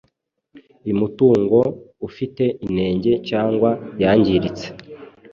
imutungo ufite inenge cyangwa yangiritse